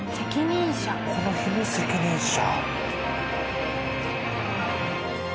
この日の責任者。